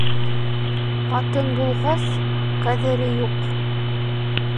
Ҡатын булғас, ҡәҙере юҡ.